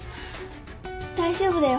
大丈夫だよ